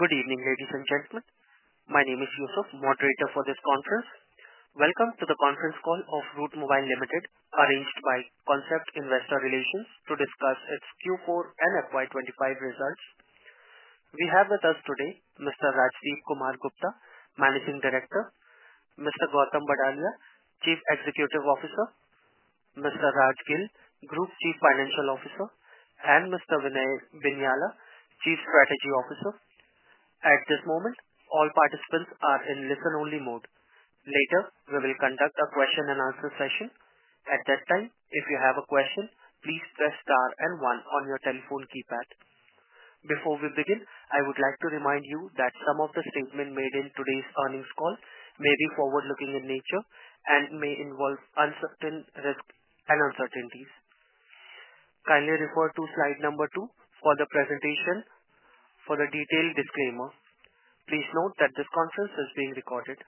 Good evening, ladies and gentlemen. My name is Yusuf, moderator for this conference. Welcome to the conference call of Route Mobile Ltd, arranged by Concept Investor Relations to discuss its Q4 and FY25 results. We have with us today Mr. Rajdip Kumar Gupta, Managing Director; Mr. Gautam Badalia, Chief Executive Officer; Mr. Raj Gill, Group Chief Financial Officer; and Mr. Vinay Binyala, Chief Strategy Officer. At this moment, all participants are in listen-only mode. Later, we will conduct a question and answer session. At that time, if you have a question, please press star and one on your telephone keypad. Before we begin, I would like to remind you that some of the statements made in today's earnings call may be forward-looking in nature and may involve uncertainties and uncertainties. Kindly refer to slide number two for the presentation for the detailed disclaimer. Please note that this conference is being recorded.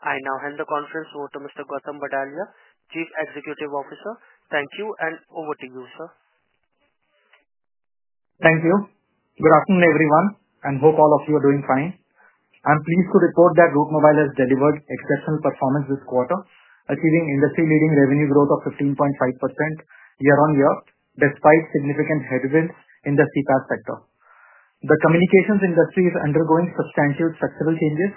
I now hand the conference over to Mr. Gautam Badalia, Chief Executive Officer. Thank you, and over to you, sir. Thank you. Good afternoon, everyone. I hope all of you are doing fine. I'm pleased to report that Route Mobile has delivered exceptional performance this quarter, achieving industry-leading revenue growth of 15.5% year-on-year, despite significant headwinds in the CPaaS sector. The communications industry is undergoing substantial structural changes,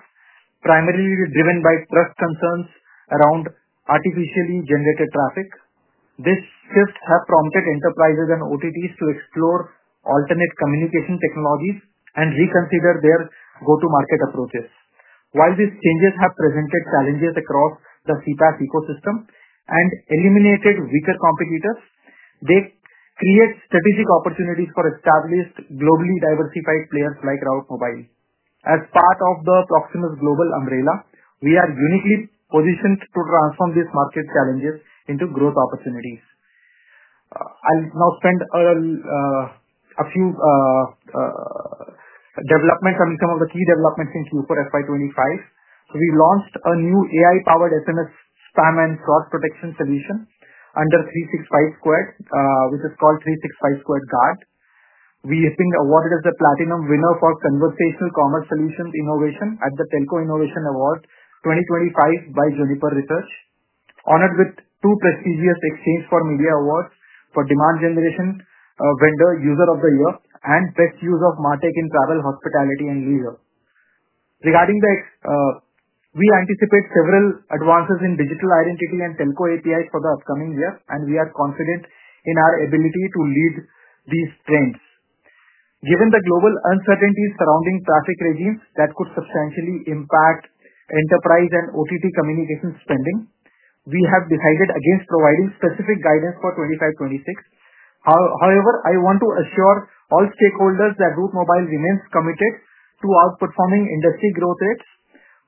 primarily driven by trust concerns around artificially generated traffic. This shift has prompted enterprises and OTTs to explore alternate communication technologies and reconsider their go-to-market approaches. While these changes have presented challenges across the CPaaS ecosystem and eliminated weaker competitors, they create strategic opportunities for established, globally diversified players like Route Mobile. As part of the Proximus Global umbrella, we are uniquely positioned to transform these market challenges into growth opportunities. I'll now spend a few moments on some of the key developments in Q4 FY25. We launched a new AI-powered SMS spam and fraud protection solution under 365squared, which is called 365squared Guard. We have been awarded as a Platinum Winner for Conversational Commerce Solutions Innovation at the Telco Innovation Award 2025 by Juniper Research, honored with two prestigious Exchange for Media Awards for Demand Generation Vendor User of the Year and Best Use of MarTech in Travel, Hospitality, and Leisure. We anticipate several advances in digital identity and telco APIs for the upcoming year, and we are confident in our ability to lead these trends. Given the global uncertainties surrounding traffic regimes that could substantially impact enterprise and OTT communication spending, we have decided against providing specific guidance for 2025-2026. However, I want to assure all stakeholders that Route Mobile remains committed to outperforming industry growth rates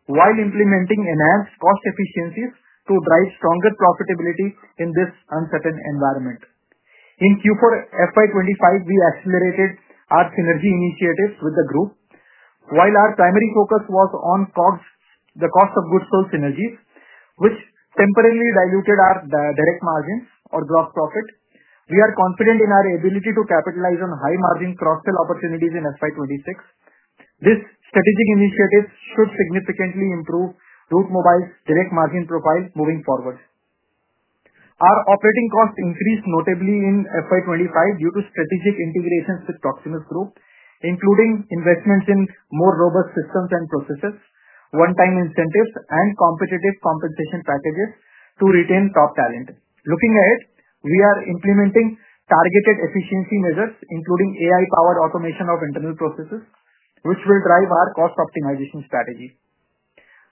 while implementing enhanced cost efficiencies to drive stronger profitability in this uncertain environment. In Q4 FY25, we accelerated our synergy initiatives with the group. While our primary focus was on the cost of goods sold synergies, which temporarily diluted our direct margins or gross profit, we are confident in our ability to capitalize on high-margin cross-sell opportunities in FY26. This strategic initiative should significantly improve Route Mobile's direct margin profile moving forward. Our operating costs increased notably in FY25 due to strategic integrations with Proximus Global, including investments in more robust systems and processes, one-time incentives, and competitive compensation packages to retain top talent. Looking ahead, we are implementing targeted efficiency measures, including AI-powered automation of internal processes, which will drive our cost optimization strategy.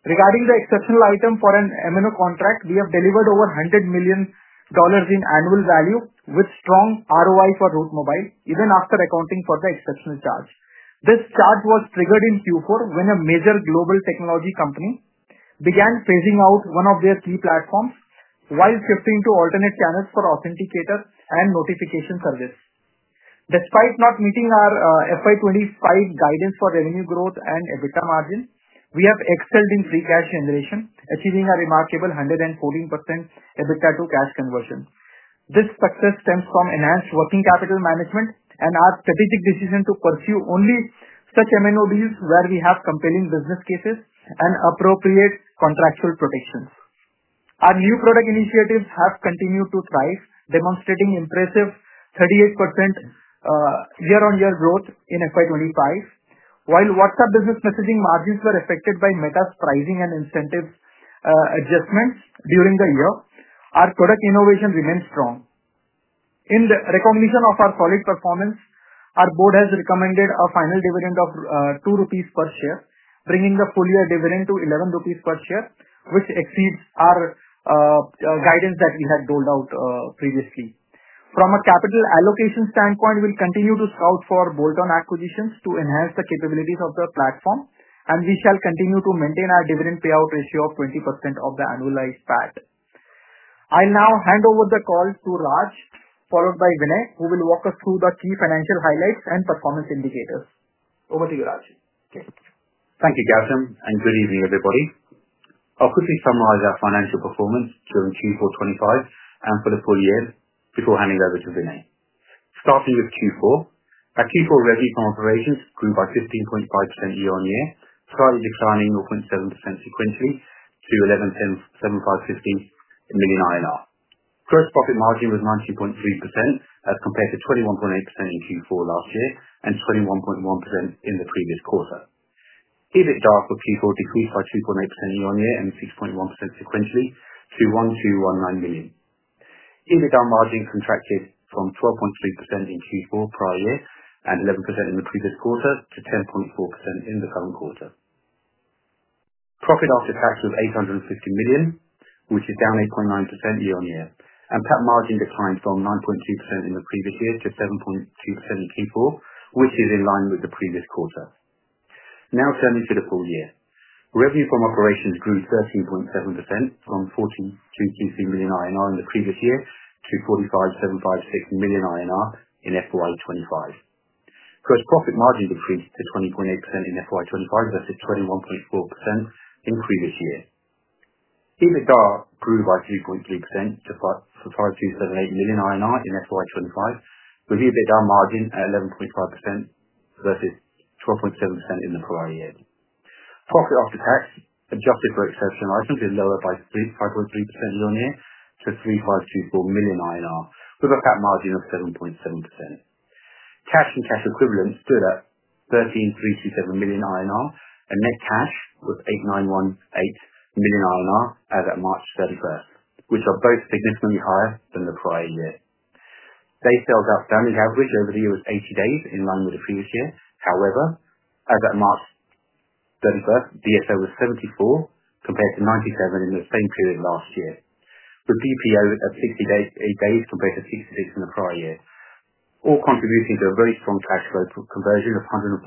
Regarding the exceptional item for an MNO contract, we have delivered over $100 million in annual value with strong ROI for Route Mobile, even after accounting for the exceptional charge. This charge was triggered in Q4 when a major global technology company began phasing out one of their key platforms while shifting to alternate channels for authenticator and notification service. Despite not meeting our FY25 guidance for revenue growth and EBITDA margin, we have excelled in free cash generation, achieving a remarkable 114% EBITDA to cash conversion. This success stems from enhanced working capital management and our strategic decision to pursue only such M&O deals where we have compelling business cases and appropriate contractual protections. Our new product initiatives have continued to thrive, demonstrating impressive 38% year-on-year growth in FY25. While WhatsApp Business Messaging margins were affected by Meta's pricing and incentive adjustments during the year, our product innovation remained strong. In recognition of our solid performance, our board has recommended a final dividend of Rs 2 per share, bringing the full-year dividend to Rs 11 per share, which exceeds our guidance that we had rolled out previously. From a capital allocation standpoint, we'll continue to scout for bolt-on acquisitions to enhance the capabilities of the platform, and we shall continue to maintain our dividend payout ratio of 20% of the annualized PAT. I'll now hand over the call to Raj, followed by Vinay, who will walk us through the key financial highlights and performance indicators. Over to you, Raj. Thank you, Gautam, and good evening, everybody. I'll quickly summarize our financial performance during Q4 2025 and for the full year before handing it over to Vinay. Starting with Q4, our Q4 revenue from operations grew by 15.5% year-on-year, slightly declining 0.7% sequentially to 11,755 million INR. Gross profit margin was 19.3% as compared to 21.8% in Q4 last year and 21.1% in the previous quarter. EBITDA for Q4 decreased by 2.8% year-on-year and 6.1% sequentially to 1,219 million. EBITDA margin contracted from 12.3% in Q4 prior year and 11% in the previous quarter to 10.4% in the current quarter. Profit after tax was 850 million, which is down 8.9% year-on-year. PAT margin declined from 9.2% in the previous year to 7.2% in Q4, which is in line with the previous quarter. Now turning to the full year, revenue from operations grew 13.7% from 42.3 million INR in the previous year to 45,756 million INR in FY25. Gross profit margin decreased to 20.8% in FY25 versus 21.4% in the previous year. EBITDA grew by 3.3% to 5,278 million in FY25, with EBITDA margin at 11.5% versus 12.7% in the prior year. Profit after tax, adjusted for exceptional items, is lower by 5.3% year-on-year to 3,524 million INR, with a PAT margin of 7.7%. Cash and cash equivalents stood at 13,327 million INR, and net cash was 8,918 million INR as of March 31st, which are both significantly higher than the prior year. Days sales outstanding average over the year was 80 days in line with the previous year. However, as of March 31st, DSO was 74 compared to 97 in the same period last year, with BPO at 68 days compared to 66 in the prior year, all contributing to a very strong cash flow conversion of 114%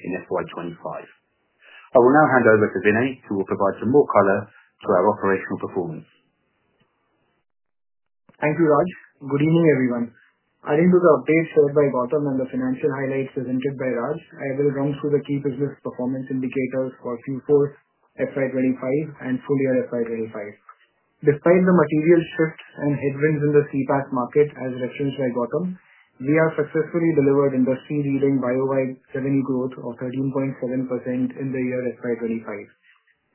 in FY25. I will now hand over to Vinay, who will provide some more color to our operational performance. Thank you, Raj. Good evening, everyone. Adding to the update shared by Gautam and the financial highlights presented by Raj, I will run through the key business performance indicators for Q4 FY25 and full year FY25. Despite the material shifts and headwinds in the CPaaS market, as referenced by Gautam, we have successfully delivered industry-leading revenue growth of 13.7% in the year FY25.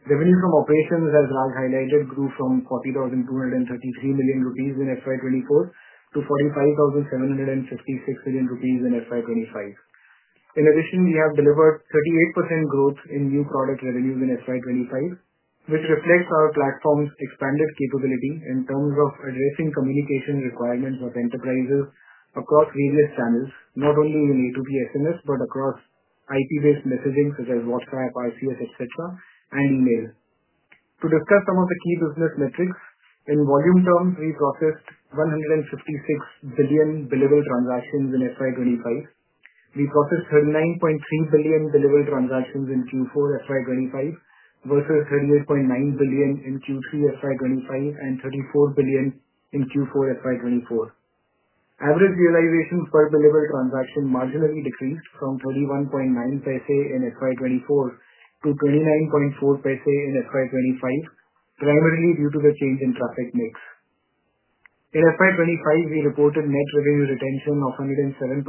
Revenue from operations, as Raj highlighted, grew from 40,233 million rupees in FY24 to 45,756 million rupees in FY25. In addition, we have delivered 38% growth in new product revenues in FY25, which reflects our platform's expanded capability in terms of addressing communication requirements of enterprises across various channels, not only in A2P SMS, but across IP-based messaging such as WhatsApp, RCS, etc., and email. To discuss some of the key business metrics, in volume terms, we processed 156 billion billable transactions in FY25. We processed 39.3 billion billable transactions in Q4 FY25 versus 38.9 billion in Q3 FY25 and 34 billion in Q4 FY24. Average realization per billable transaction marginally decreased from 31.9% in FY24 to 29.4% in FY25, primarily due to the change in traffic mix. In FY25, we reported net revenue retention of 107%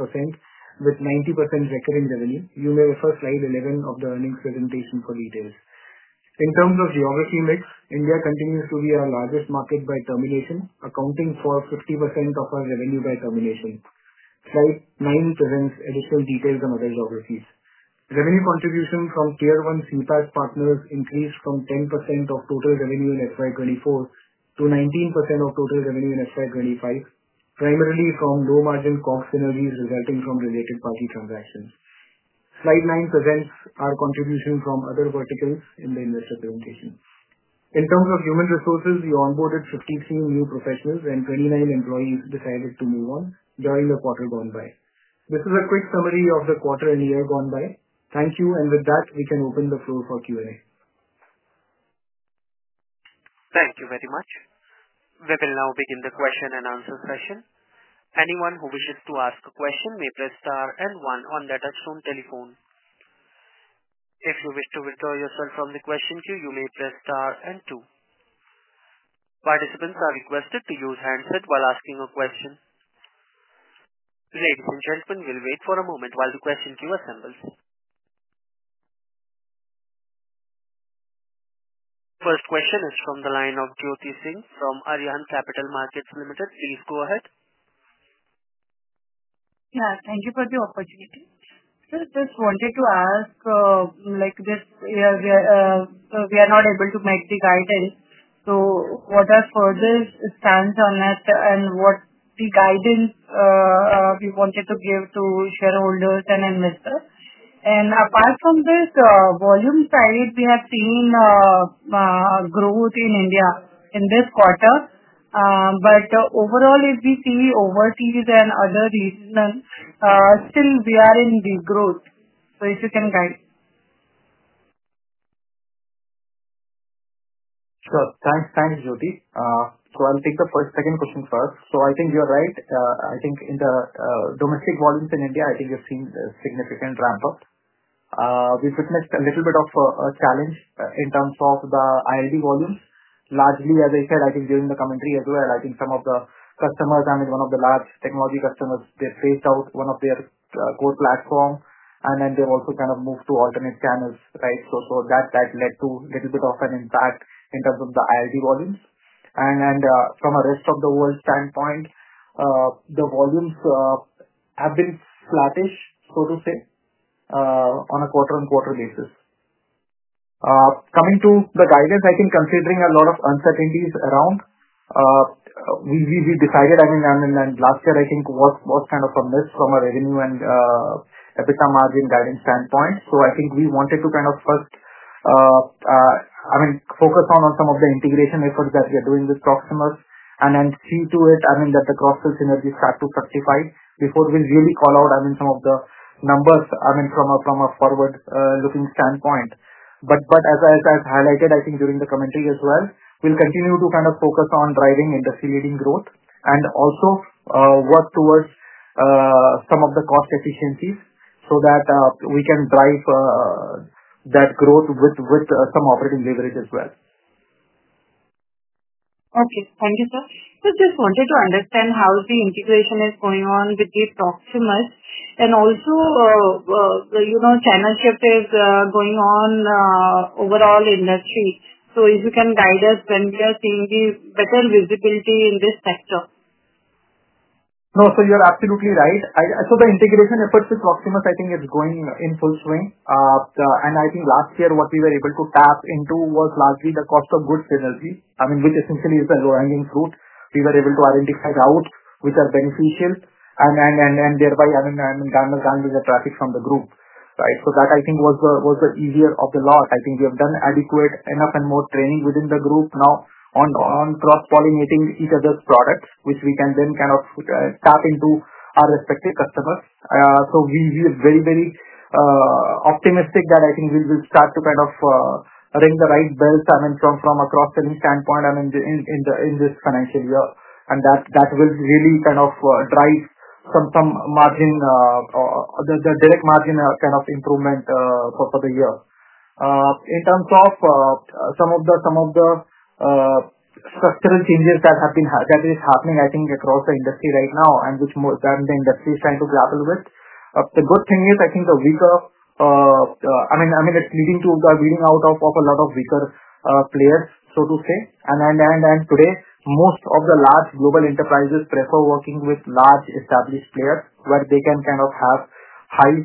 with 90% recurring revenue. You may refer to slide 11 of the earnings presentation for details. In terms of geography mix, India continues to be our largest market by termination, accounting for 50% of our revenue by termination. Slide 9 presents additional details on other geographies. Revenue contribution from tier-one CPaaS partners increased from 10% of total revenue in FY24 to 19% of total revenue in FY25, primarily from low-margin COGS synergies resulting from related party transactions. Slide nine presents our contribution from other verticals in the investor presentation. In terms of human resources, we onboarded 53 new professionals, and 29 employees decided to move on during the quarter gone by. This is a quick summary of the quarter and year gone by. Thank you, and with that, we can open the floor for Q&A. Thank you very much. We will now begin the question and answer session. Anyone who wishes to ask a question may press star and one on the touchstone telephone. If you wish to withdraw yourself from the question queue, you may press star and two. Participants are requested to use handset while asking a question. Ladies and gentlemen, we'll wait for a moment while the question queue assembles. First question is from the line of Jyoti Singh from Arihant Capital Markets Ltd. Please go ahead. Yeah, thank you for the opportunity. I just wanted to ask, like this, we are not able to make the guidance. What are further stance on that and what the guidance we wanted to give to shareholders and investors? Apart from this, volume side, we have seen growth in India in this quarter. Overall, if we see overseas and other regions, still we are in the growth. If you can guide. Sure. Thanks, Jyoti. I'll take the first second question first. I think you're right. I think in the domestic volumes in India, you've seen a significant ramp-up. We've witnessed a little bit of a challenge in terms of the ILD volumes, largely, as I said during the commentary as well. Some of the customers, I mean, one of the large technology customers, they phased out one of their core platforms, and then they've also kind of moved to alternate channels, right? That led to a little bit of an impact in terms of the ILD volumes. From a rest of the world standpoint, the volumes have been slattish, so to say, on a quarter-on-quarter basis. Coming to the guidance, I think considering a lot of uncertainties around, we decided, I mean, and last year, I think was kind of a miss from a revenue and EBITDA margin guidance standpoint. I think we wanted to kind of first, I mean, focus on some of the integration efforts that we are doing with Proximus and then see to it, I mean, that the cross-sell synergies start to fructify before we really call out, I mean, some of the numbers, I mean, from a forward-looking standpoint. As I highlighted, I think during the commentary as well, we'll continue to kind of focus on driving industry-leading growth and also work towards some of the cost efficiencies so that we can drive that growth with some operating leverage as well. Okay, thank you, sir. We just wanted to understand how the integration is going on with Proximus and also channel shift is going on overall industry. If you can guide us when we are seeing the better visibility in this sector. No, so you're absolutely right. The integration efforts with Proximus, I think it's going in full swing. I think last year, what we were able to tap into was largely the cost of goods synergy, I mean, which essentially is the low-hanging fruit. We were able to identify routes which are beneficial, and thereby, I mean, garners down with the traffic from the group, right? That, I think, was the easier of the lot. I think we have done adequate enough and more training within the group now on cross-pollinating each other's products, which we can then kind of tap into our respective customers. We are very, very optimistic that I think we will start to kind of ring the right bells, I mean, from a cross-selling standpoint, in this financial year. That will really kind of drive some margin, the direct margin kind of improvement for the year. In terms of some of the structural changes that have been that is happening, I think, across the industry right now and which the industry is trying to grapple with, the good thing is, I think the weaker, I mean, it's leading to the weeding out of a lot of weaker players, so to say. Today, most of the large global enterprises prefer working with large established players where they can kind of have high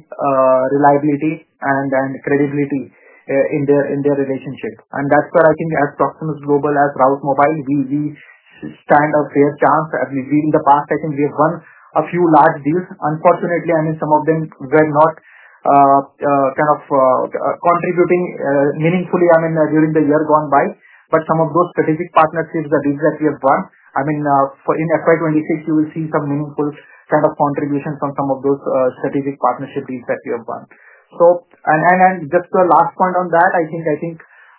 reliability and credibility in their relationship. That's where, I think, as Proximus Global, as Route Mobile, we stand a fair chance. In the past, I think we have won a few large deals. Unfortunately, I mean, some of them were not kind of contributing meaningfully, I mean, during the year gone by. Some of those strategic partnerships, the deals that we have won, I mean, in FY26, you will see some meaningful kind of contribution from some of those strategic partnership deals that we have won. Just the last point on that, I think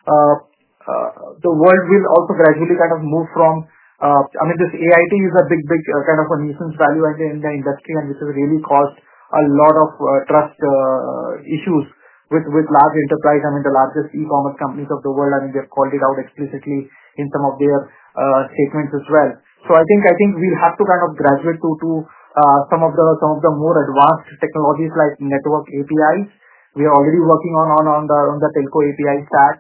the world will also gradually kind of move from, I mean, this AIT is a big, big kind of a nuisance value in the industry, and this has really caused a lot of trust issues with large enterprise, I mean, the largest e-commerce companies of the world. I mean, they've called it out explicitly in some of their statements as well. I think we'll have to kind of graduate to some of the more advanced technologies like network APIs. We are already working on the telco API stack.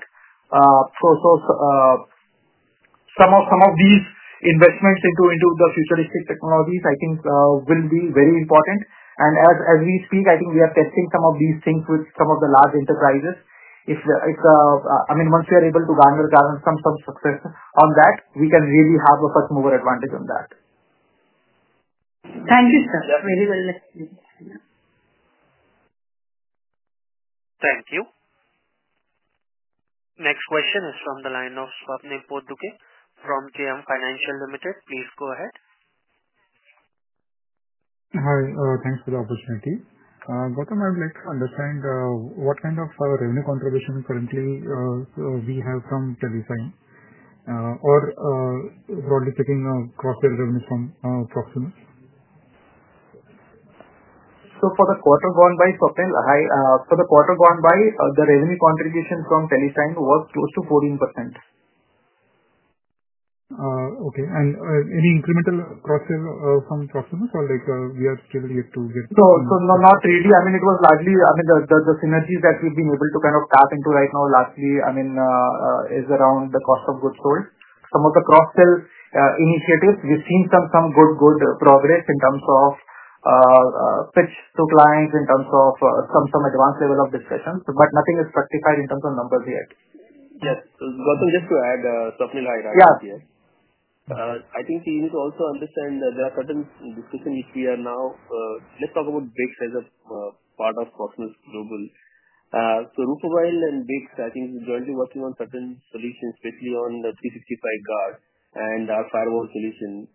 Some of these investments into the futuristic technologies, I think, will be very important. As we speak, I think we are testing some of these things with some of the large enterprises. If, I mean, once we are able to garner some success on that, we can really have a much more advantage on that. Thank you, sir. Really well explained. Thank you. Next question is from the line of Swapnil Potdukhe from JM Financial Ltd. Please go ahead. Hi. Thanks for the opportunity. Gautam, I would like to understand what kind of revenue contribution currently we have from Telesign or, broadly speaking, cross-sell revenues from Proximus? For the quarter gone by, Swapnil, for the quarter gone by, the revenue contribution from Telesign was close to 14%. Okay. Any incremental cross-sell from Proximus or we are still yet to get? Not really. I mean, it was largely, I mean, the synergies that we've been able to kind of tap into right now, largely, I mean, is around the cost of goods sold. Some of the cross-sell initiatives, we've seen some good progress in terms of pitch to clients, in terms of some advanced level of discussions, but nothing has fructified in terms of numbers yet. Yes. Gautam, just to add, Swapnil had asked here. I think we need to also understand there are certain discussions which we are now, let's talk about BICS as a part of Proximus Global. Route Mobile and BICS, I think, are jointly working on certain solutions, especially on the 365squared Guard and our firewall solution.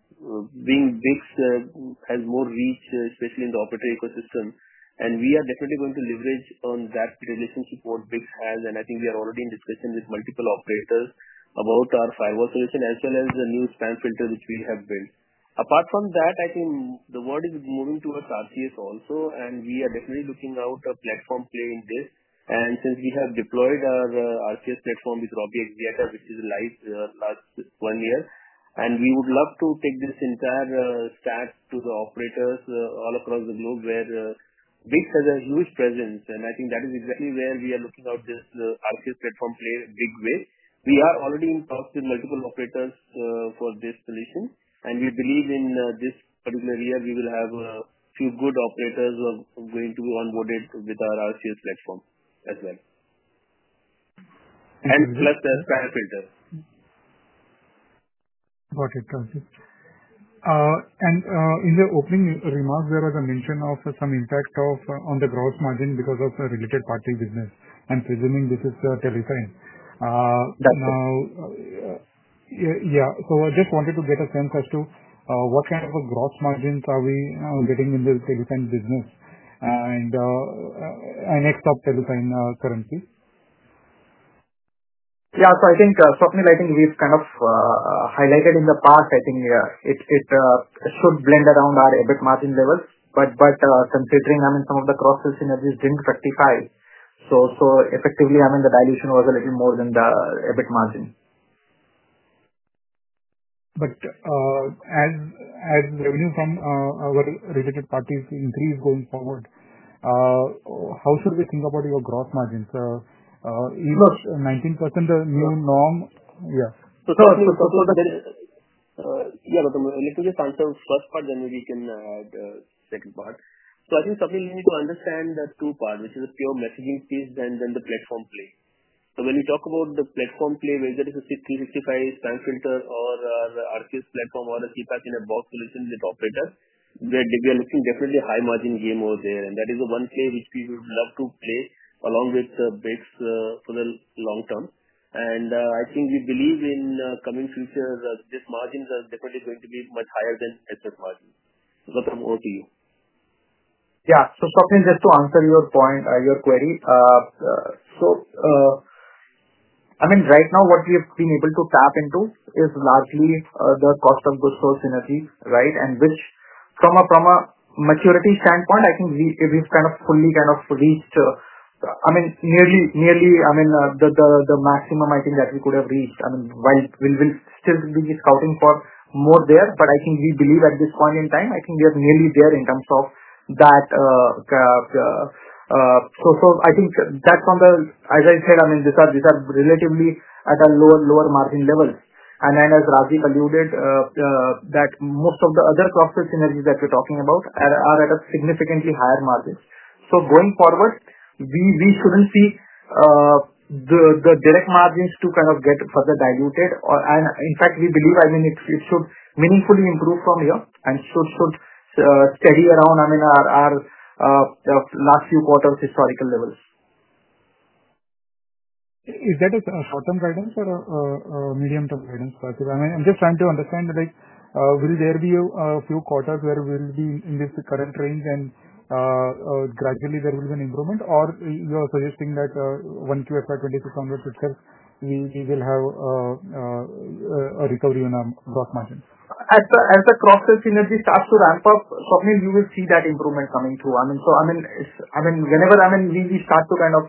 Being BICS has more reach, especially in the operator ecosystem. We are definitely going to leverage on that relationship what BICS has. I think we are already in discussion with multiple operators about our firewall solution as well as the new spam filter which we have built. Apart from that, I think the world is moving towards RCS also, and we are definitely looking out a platform play in this. Since we have deployed our RCS platform with Robi Axiata, which is live last one year, we would love to take this entire stack to the operators all across the globe where BICS has a huge presence. I think that is exactly where we are looking at this RCS platform play a big way. We are already in talks with multiple operators for this solution. We believe in this particular year, we will have a few good operators who are going to be onboarded with our RCS platform as well, and plus the spam filter. Got it. Thank you. In the opening remarks, there was a mention of some impact on the gross margin because of the related party business. I'm presuming this is Telesign. Now, yeah. I just wanted to get a sense as to what kind of gross margins are we getting in the Telesign business and next stop Telesign currently? Yeah. I think, Swapnil, I think we've kind of highlighted in the past. I think it should blend around our EBIT margin levels. Considering, I mean, some of the cross-sell synergies didn't fructify. Effectively, I mean, the dilution was a little more than the EBIT margin. As revenue from our related parties increase going forward, how should we think about your gross margins? Is 19% the new norm? Yeah. Yeah, Gautam, let me just answer the first part, then we can add the second part. I think, Swapnil, we need to understand that there are two parts, which is a pure messaging piece and then the platform play. When we talk about the platform play, whether it's a 365-spam filter or RCS platform or a CPaaS in a box solution with operators, we are looking at definitely a high margin game over there. That is the one play which we would love to play along with BICS for the long term. I think we believe in the coming future, this margin is definitely going to be much higher than the SMS margin. Gautam, over to you. Yeah. So Swapnil, just to answer your query. So, I mean, right now, what we have been able to tap into is largely the cost of goods sold synergy, right? And which, from a maturity standpoint, I think we've kind of fully kind of reached, I mean, nearly, I mean, the maximum, I think, that we could have reached. I mean, we'll still be scouting for more there, but I think we believe at this point in time, I think we are nearly there in terms of that. So I think that's on the, as I said, I mean, these are relatively at a lower margin level. And as Raj Gill alluded, that most of the other cross-sell synergies that we're talking about are at a significantly higher margin. Going forward, we shouldn't see the direct margins to kind of get further diluted. In fact, we believe, I mean, it should meaningfully improve from here and should steady around, I mean, our last few quarters' historical levels. Is that a short-term guidance or a medium-term guidance? I'm just trying to understand, will there be a few quarters where we'll be in this current range and gradually there will be an improvement, or you're suggesting that once Q4 FY25 switches, we will have a recovery on our gross margin? As the cross-sell synergy starts to ramp up, Swapnil, you will see that improvement coming through. I mean, whenever we start to kind of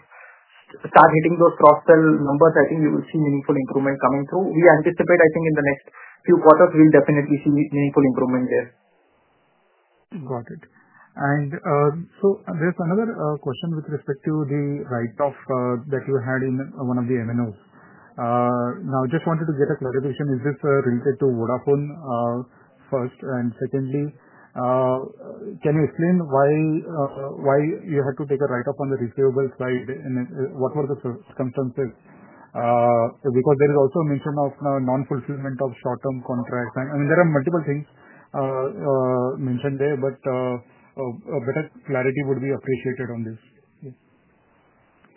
start hitting those cross-sell numbers, I think we will see meaningful improvement coming through. We anticipate, I think, in the next few quarters, we'll definitely see meaningful improvement there. Got it. There is another question with respect to the write-off that you had in one of the MNOs. I just wanted to get a clarification. Is this related to Vodafone first? Secondly, can you explain why you had to take a write-off on the receivable side? What were the circumstances? There is also a mention of non-fulfillment of short-term contracts. I mean, there are multiple things mentioned there, but better clarity would be appreciated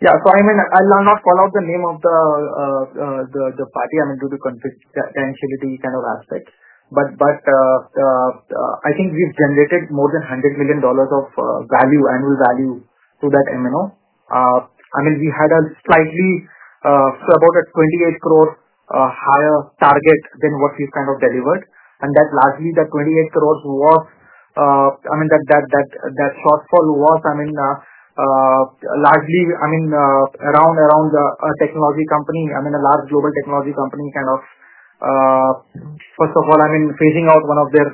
on this. Yeah. I mean, I'll not call out the name of the party, I mean, due to confidentiality kind of aspect. I think we've generated more than $100 million of value, annual value, to that MNO. We had a slightly about 28 crore higher target than what we've kind of delivered. That 28 crore, that shortfall was largely around a technology company, a large global technology company, first of all, phasing out one of their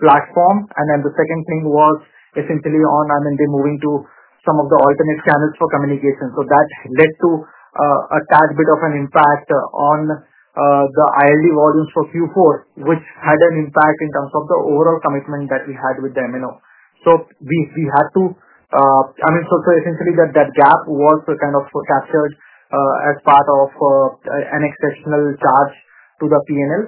platforms. The second thing was essentially on their moving to some of the alternate channels for communication. That led to a tad bit of an impact on the ILD volumes for Q4, which had an impact in terms of the overall commitment that we had with the MNO. We had to, I mean, essentially, that gap was kind of captured as part of an exceptional charge to the P&L.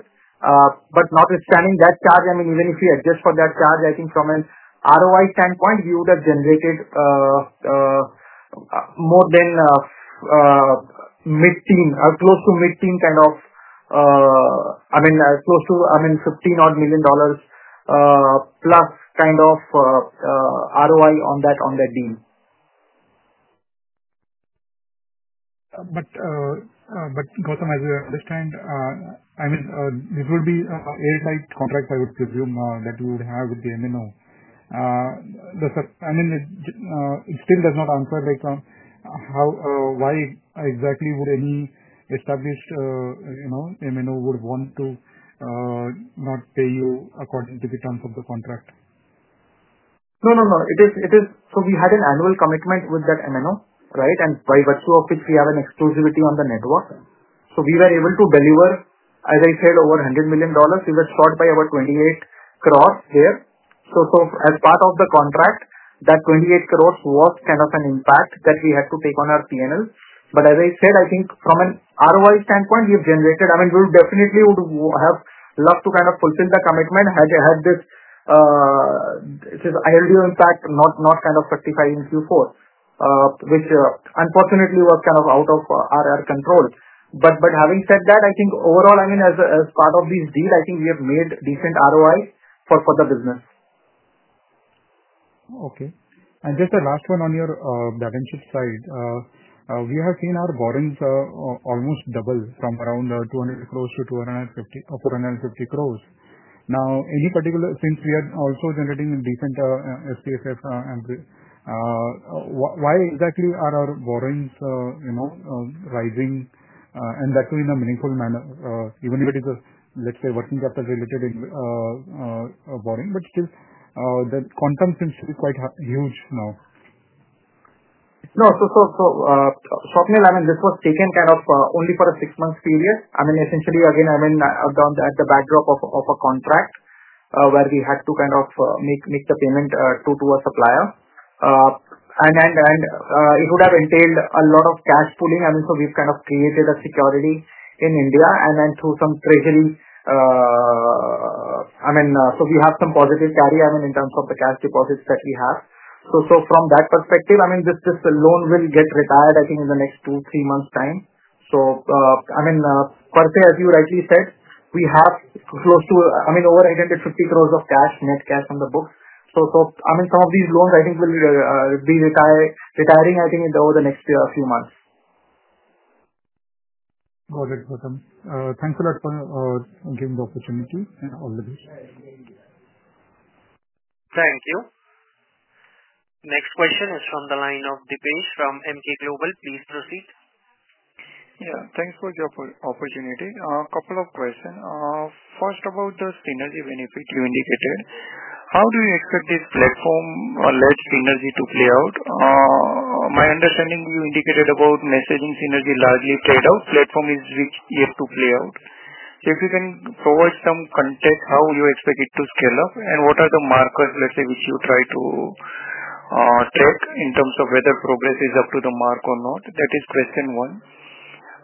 Notwithstanding that charge, I mean, even if we adjust for that charge, I think from an ROI standpoint, we would have generated more than mid-teen, close to mid-teen kind of, I mean, close to, I mean, $15 million plus kind of ROI on that deal. Gautam, as you understand, I mean, this would be airtight contracts, I would presume, that you would have with the MNO. I mean, it still does not answer why exactly would any established MNO would want to not pay you according to the terms of the contract? No, no, no. We had an annual commitment with that MNO, right, by virtue of which we have an exclusivity on the network. We were able to deliver, as I said, over $100 million. We were short by about 28 crores there. As part of the contract, that 28 crores was kind of an impact that we had to take on our P&L. I think from an ROI standpoint, we've generated, I mean, we definitely would have loved to kind of fulfill the commitment had this ILD impact not kind of fructified in Q4, which unfortunately was kind of out of our control. Having said that, I think overall, as part of this deal, I think we have made decent ROI for the business. Okay. Just the last one on your balance sheet side. We have seen our borrowings almost double from around 200 crore to 450 crore. Now, since we are also generating decent SPFF, why exactly are our borrowings rising and that too in a meaningful manner? Even if it is a, let's say, working capital-related borrowing, but still, the content seems to be quite huge now. No. Swapnil, I mean, this was taken kind of only for a six-month period. I mean, essentially, again, I mean, at the backdrop of a contract where we had to kind of make the payment to a supplier. It would have entailed a lot of cash pooling. I mean, we have kind of created a security in India and then through some treasury. I mean, we have some positive carry, I mean, in terms of the cash deposits that we have. From that perspective, I mean, this loan will get retired, I think, in the next two-three months' time. I mean, per se, as you rightly said, we have close to, I mean, over 8.5 billion of cash, net cash on the books. I mean, some of these loans, I think, will be retiring, I think, over the next few months. Got it, Gautam. Thanks a lot for giving the opportunity and all the details. Thank you. Next question is from the line of Dipesh from Emkay Global. Please proceed. Yeah. Thanks for the opportunity. A couple of questions. First, about the synergy benefit you indicated. How do you expect this platform-led synergy to play out? My understanding, you indicated about messaging synergy largely played out. Platform is which yet to play out. If you can provide some context, how you expect it to scale up? What are the markers, let's say, which you try to track in terms of whether progress is up to the mark or not? That is question one.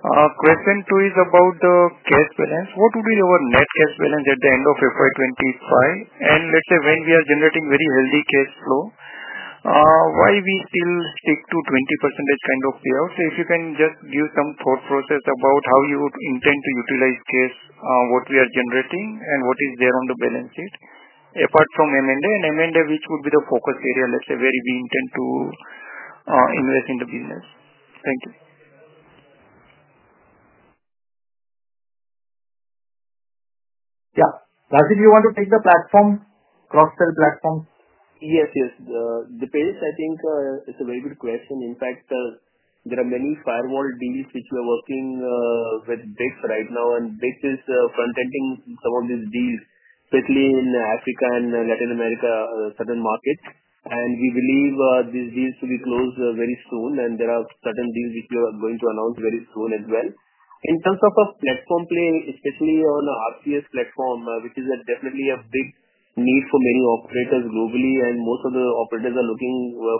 Question two is about the cash balance. What would be our net cash balance at the end of FY 2025? Let's say when we are generating very healthy cash flow, why we still stick to 20% kind of payout? If you can just give some thought process about how you would intend to utilize cash, what we are generating, and what is there on the balance sheet apart from M&A? M&A, which would be the focus area, let's say, where we intend to invest in the business? Thank you. Yeah. Raj, do you want to take the platform, cross-sell platform? Yes, yes. Dipesh, I think it's a very good question. In fact, there are many firewall deals which we are working with BICS right now. BICS is front-ending some of these deals, especially in Africa and Latin America, certain markets. We believe these deals to be closed very soon. There are certain deals which we are going to announce very soon as well. In terms of a platform play, especially on an RCS platform, which is definitely a big need for many operators globally, and most of the operators are looking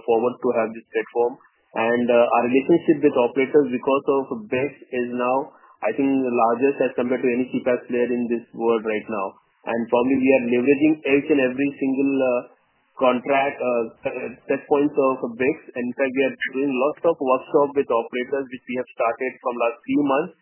forward to have this platform. Our relationship with operators, because of BICS, is now, I think, the largest as compared to any CPaaS player in this world right now. Probably we are leveraging each and every single contract set point of BICS. In fact, we are doing lots of workshops with operators, which we have started from the last three months.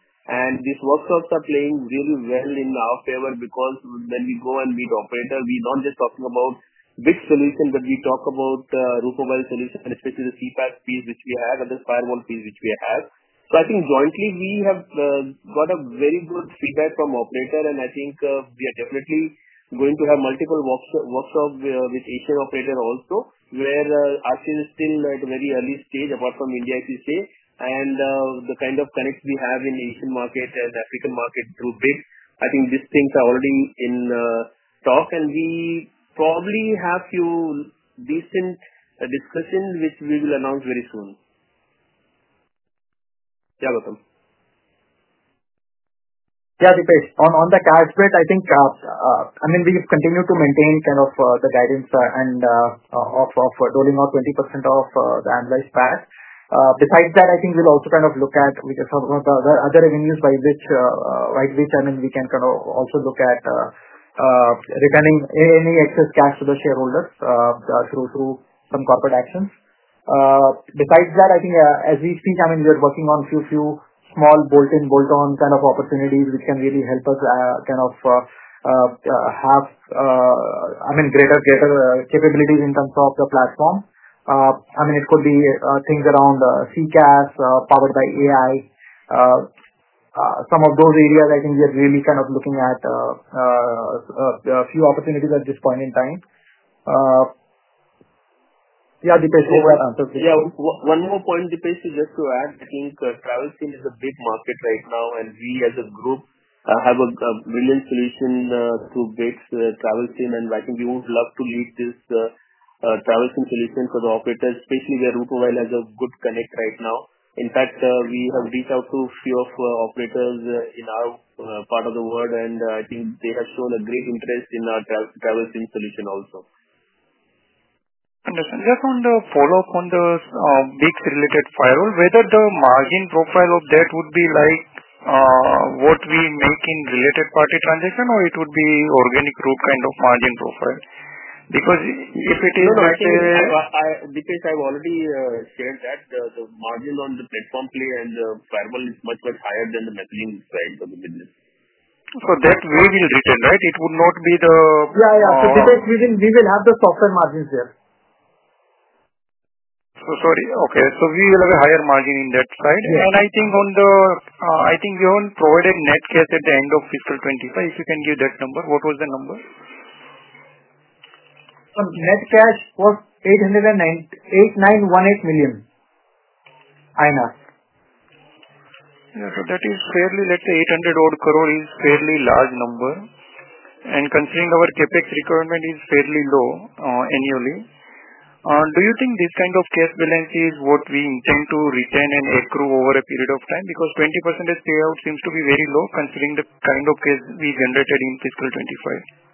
These workshops are playing really well in our favor because when we go and meet operators, we're not just talking about BICS solution, but we talk about Route Mobile solution, especially the CPaaS piece which we have, and this firewall piece which we have. I think jointly, we have got very good feedback from operators. I think we are definitely going to have multiple workshops with Asian operators also, where RCS is still at a very early stage, apart from India, as you say. The kind of connect we have in the Asian market and African market through BICS, I think these things are already in talk. We probably have a few decent discussions, which we will announce very soon. Yeah, Gautam. Yeah, Dipesh. On the cash bit, I think, I mean, we've continued to maintain kind of the guidance and of rolling out 20% of the analyzed PAS. Besides that, I think we'll also kind of look at, we just have other avenues by which, right, which I mean, we can kind of also look at returning any excess cash to the shareholders through some corporate actions. Besides that, I think, as we speak, I mean, we are working on a few small bolt-in, bolt-on kind of opportunities which can really help us kind of have, I mean, greater capabilities in terms of the platform. I mean, it could be things around CPaaS powered by AI. Some of those areas, I think we are really kind of looking at a few opportunities at this point in time. Yeah, Dipesh, what was your answer? Yeah. One more point, Dipesh, just to add. I think travel SIM is a big market right now. We as a group have a brilliant solution through BICS travel SIM. I think we would love to lead this travel SIM solution for the operators, especially where Route Mobile has a good connect right now. In fact, we have reached out to a few of the operators in our part of the world, and I think they have shown great interest in our travel SIM solution also. Understood. Just on the follow-up on the BICS-related firewall, whether the margin profile of that would be like what we make in related-party transaction, or it would be organic route kind of margin profile? Because if it is, let's say. No, no. Dipesh, I've already shared that the margin on the platform play and the firewall is much, much higher than the messaging side of the business. That way will return, right? It would not be the. Yeah, yeah. Dipesh, we will have the software margins there. Sorry. Okay. We will have a higher margin in that side. I think you haven't provided net cash at the end of fiscal 2025. If you can give that number, what was the number? Net cash was 8,918 million INR. Yeah. That is fairly, let's say, 8 billion-odd is a fairly large number. Considering our CapEx requirement is fairly low annually, do you think this kind of cash balance is what we intend to retain and accrue over a period of time? Because 20% payout seems to be very low considering the kind of cash we generated in fiscal 2025.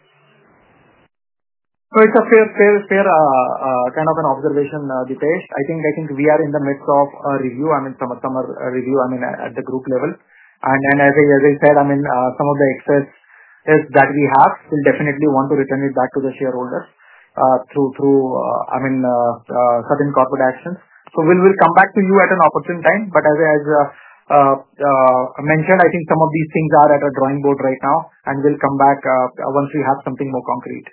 It's a fair kind of an observation, Dipesh. I think we are in the midst of a review, I mean, summer review, I mean, at the group level. As I said, some of the excess that we have, we'll definitely want to return it back to the shareholders through certain corporate actions. We'll come back to you at an opportune time. As I mentioned, some of these things are at a drawing board right now, and we'll come back once we have something more concrete.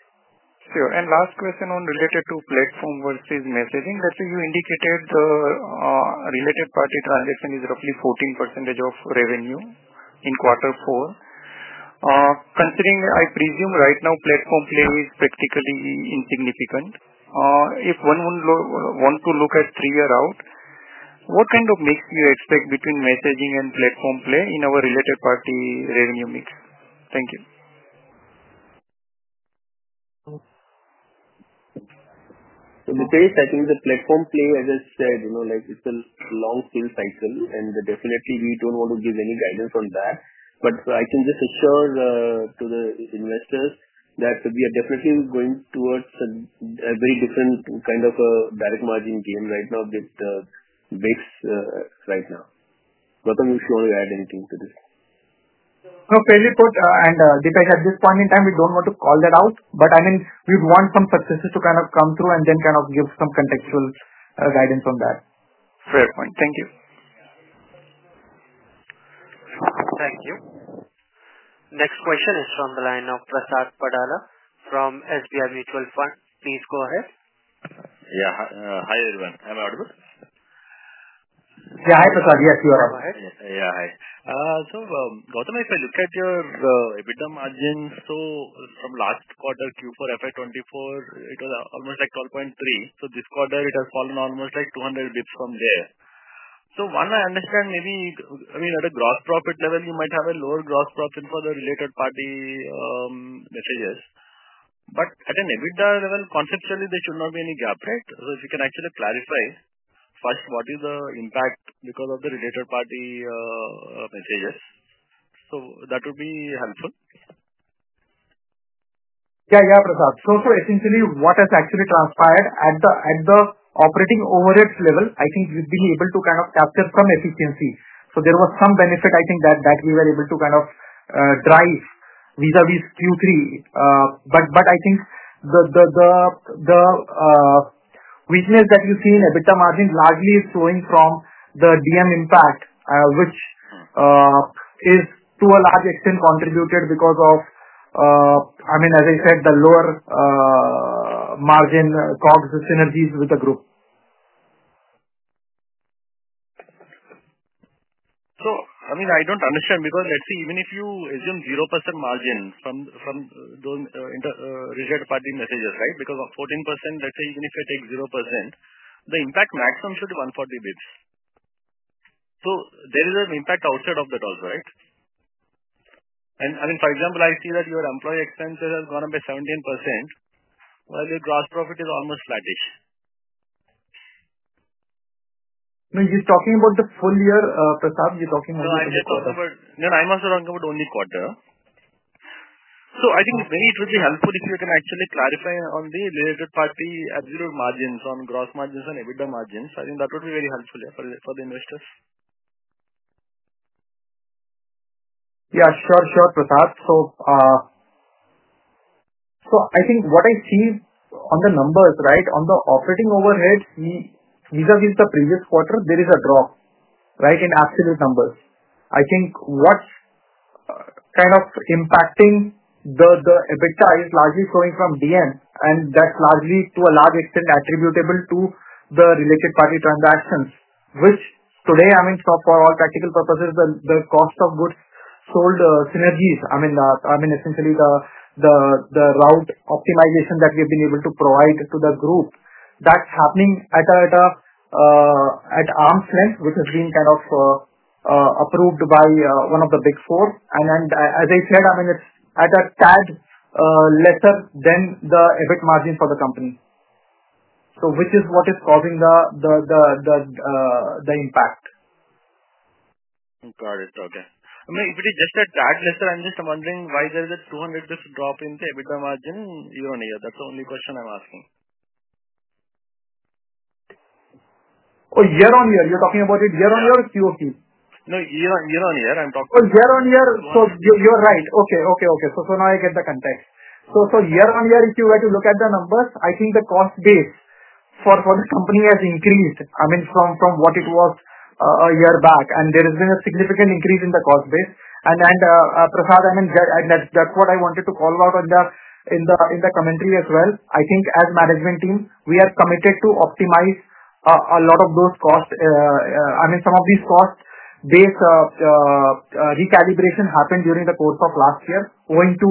Sure. Last question on related to platform versus messaging. Let's say you indicated the related-party transaction is roughly 14% of revenue in quarter four. Considering, I presume, right now platform play is practically insignificant, if one want to look at three years out, what kind of mix do you expect between messaging and platform play in our related-party revenue mix? Thank you. Dipesh, I think the platform play, as I said, it's a long-tail cycle, and definitely, we don't want to give any guidance on that. I can just assure to the investors that we are definitely going towards a very different kind of direct margin game right now with BICS right now. Gautam, if you want to add anything to this. No, fairly put. Dipesh, at this point in time, we do not want to call that out. I mean, we would want some successes to kind of come through and then kind of give some contextual guidance on that. Fair point. Thank you. Thank you. Next question is from the line of Prasad Padala from SBI Mutual Fund. Please go ahead. Yeah. Hi, everyone. I'm Adal. Yeah. Hi, Prasad. Yes, you are on. Yeah. Hi. So Gautam, if I look at your EBITDA margins, from last quarter Q4 FY 2024, it was almost like 12.3%. This quarter, it has fallen almost like 200 basis points from there. One, I understand maybe, I mean, at a gross profit level, you might have a lower gross profit for the related-party messages. At an EBITDA level, conceptually, there should not be any gap, right? If you can actually clarify, first, what is the impact because of the related-party messages? That would be helpful. Yeah, yeah, Prasad. So essentially, what has actually transpired at the operating overheads level, I think we've been able to kind of capture some efficiency. There was some benefit, I think, that we were able to kind of drive vis-à-vis Q3. I think the weakness that you see in EBITDA margin largely is flowing from the DM impact, which is to a large extent contributed because of, I mean, as I said, the lower margin COGS synergies with the group. I mean, I do not understand because let's see, even if you assume 0% margin from those related-party messages, right? Because 14%, let's say, even if you take 0%, the impact maximum should be 140 bps. There is an impact outside of that also, right? I mean, for example, I see that your employee expenses have gone up by 17%, while your gross profit is almost flattish. No, you're talking about the full year, Prasad. You're talking only quarter. No, I'm also talking about only quarter. I think maybe it would be helpful if you can actually clarify on the related-party absurd margins on gross margins and EBITDA margins. I think that would be very helpful for the investors. Yeah. Sure, sure, Prasad. I think what I see on the numbers, right, on the operating overheads vis-à-vis the previous quarter, there is a drop, right, in absolute numbers. I think what's kind of impacting the EBITDA is largely flowing from DM, and that's largely to a large extent attributable to the related-party transactions, which today, I mean, for all practical purposes, the cost of goods sold synergies. I mean, essentially, the route optimization that we have been able to provide to the group, that's happening at arm's length, which has been kind of approved by one of the Big Four. I mean, as I said, it's at a tad lesser than the EBIT margin for the company, which is what is causing the impact. Got it. Okay. I mean, if it is just a tad lesser, I'm just wondering why there is a 200 basis points drop in the EBITDA margin year-on-year. That's the only question I'm asking. Oh, year-on-year. You're talking about it year-on-year or Q of Q? No, year on year. I'm talking about. Oh, year on year. So you're right. Okay, okay, okay. Now I get the context. Year on year, if you were to look at the numbers, I think the cost base for the company has increased, I mean, from what it was a year back. There has been a significant increase in the cost base. Prasad, I mean, that's what I wanted to call out in the commentary as well. I think as management team, we are committed to optimize a lot of those costs. Some of these cost base recalibration happened during the course of last year, owing to,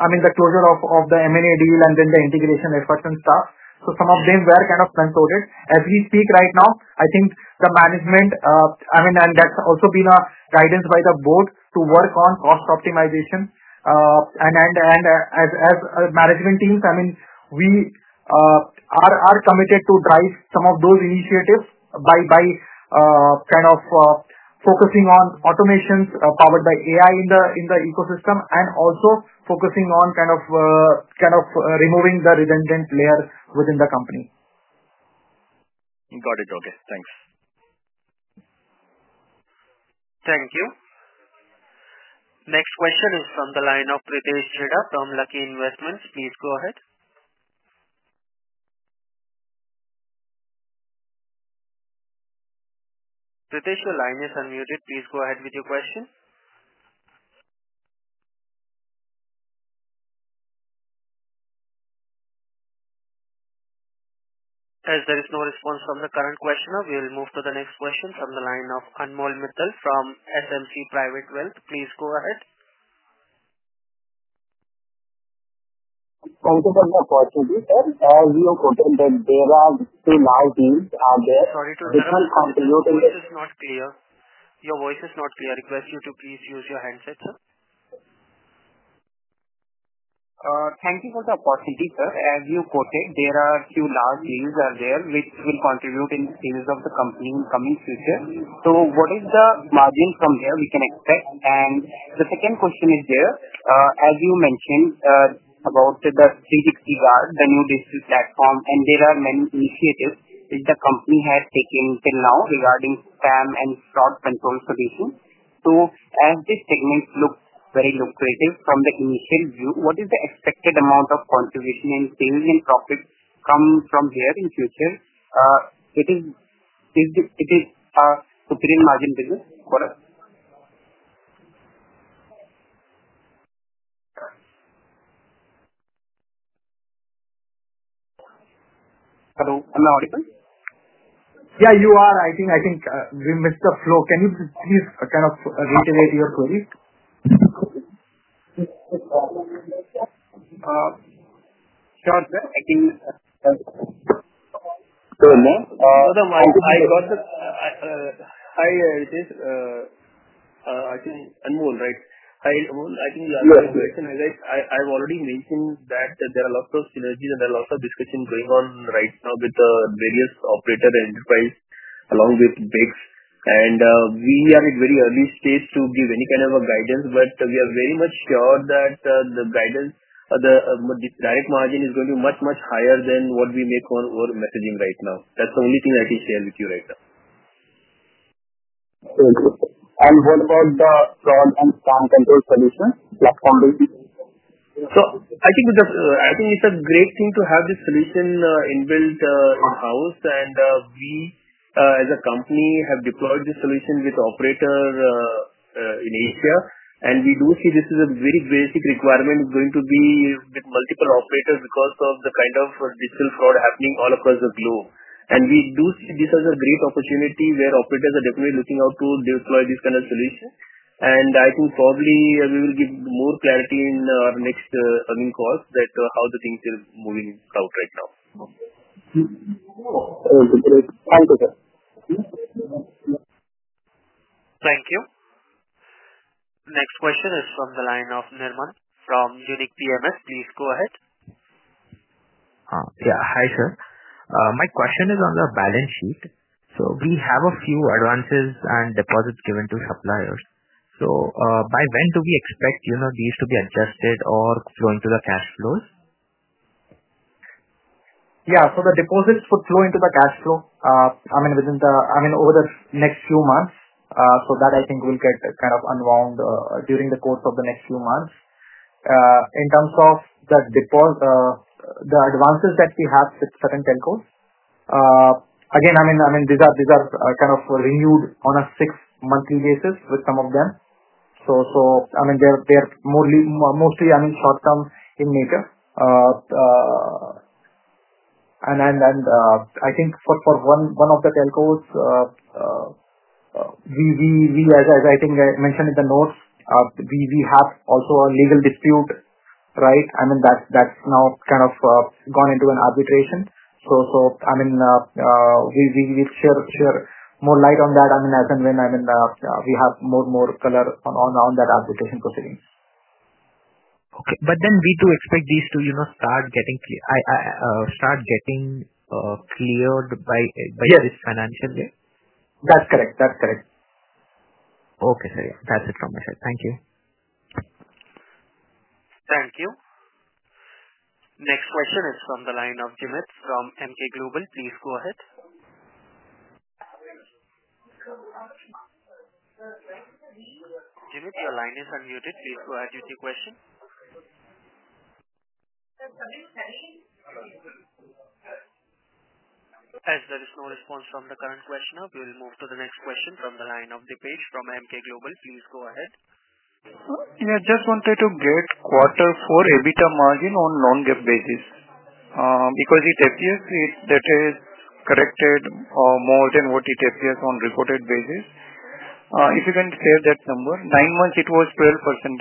I mean, the closure of the M&A deal and then the integration efforts and stuff. Some of them were kind of consolidated. As we speak right now, I think the management, I mean, and that's also been a guidance by the board to work on cost optimization. As management teams, I mean, we are committed to drive some of those initiatives by kind of focusing on automations powered by AI in the ecosystem and also focusing on kind of removing the redundant layer within the company. Got it. Okay. Thanks. Thank you. Next question is from the line of Prateesh Jeda from Lucky Investments. Please go ahead. Prateesh, your line is unmuted. Please go ahead with your question. As there is no response from the current questioner, we will move to the next question from the line of Anmol Mittal from SMC Private Wealth. Please go ahead. Thank you for the opportunity, sir. As you quoted, there are two large deals out there. Sorry to interrupt. This is not clear. Your voice is not clear. Request you to please use your handset, sir. Thank you for the opportunity, sir. As you quoted, there are two large deals out there which will contribute in the use of the company in the coming future. What is the margin from there we can expect? The second question is there. As you mentioned about the 365guard, the new digital platform, and there are many initiatives which the company has taken till now regarding spam and fraud control solutions. As this segment looks very lucrative from the initial view, what is the expected amount of contribution in sales and profit come from here in future? It is a superior margin business for us. Hello. Am I audible? Yeah, you are. I think we missed the flow. Can you please kind of reiterate your query? Sure, sir. I think. So the. So the. I got the. Hi, Prateesh. I think Anmol, right? Hi, Anmol. I think the other question is that I've already mentioned that there are lots of synergies and there are lots of discussions going on right now with the various operator enterprises along with BICS. We are at a very early stage to give any kind of a guidance, but we are very much sure that the guidance, the direct margin is going to be much, much higher than what we make on messaging right now. That's the only thing I can share with you right now. What about the fraud and spam control solution platform? I think it's a great thing to have this solution inbuilt in-house. We, as a company, have deployed this solution with operators in Asia. We do see this is a very basic requirement going to be with multiple operators because of the kind of digital fraud happening all across the globe. We do see this as a great opportunity where operators are definitely looking out to deploy this kind of solution. I think probably we will give more clarity in our next earning calls on how things are moving out right now. Thank you, sir. Thank you. Next question is from the line of Nirmam from Unique PMS. Please go ahead. Yeah. Hi, sir. My question is on the balance sheet. We have a few advances and deposits given to suppliers. By when do we expect these to be adjusted or flowing to the cash flows? Yeah. The deposits would flow into the cash flow, I mean, within the, I mean, over the next few months. That I think will get kind of unwound during the course of the next few months. In terms of the advances that we have with certain telcos, again, I mean, these are kind of renewed on a six-monthly basis with some of them. They're mostly, I mean, short-term in nature. I think for one of the telcos, as I think I mentioned in the notes, we have also a legal dispute, right? I mean, that's now kind of gone into an arbitration. We will share more light on that, I mean, as and when, I mean, we have more and more color on that arbitration proceedings. Okay. We do expect these to start getting cleared by this financial year. That's correct. That's correct. Okay, sir. Yeah. That's it from my side. Thank you. Thank you. Next question is from the line of Jimmith from MK Global. Please go ahead. Jimmith, your line is unmuted. Please go ahead with your question. As there is no response from the current questioner, we will move to the next question from the line of Dipesh from Emkay Global. Please go ahead. Yeah. Just wanted to get quarter four EBITDA margin on non-GAAP basis because it appears that it is corrected more than what it appears on reported basis. If you can share that number, nine months, it was 12%.